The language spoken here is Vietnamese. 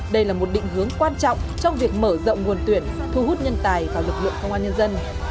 đây là một định hướng quan trọng trong việc mở rộng nguồn tuyển thu hút nhân tài vào lực lượng công an nhân dân